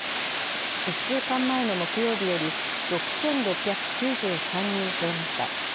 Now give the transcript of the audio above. １週間前の木曜日より６６９３人増えました。